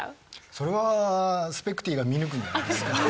それはスペクティが見抜くんじゃないですか？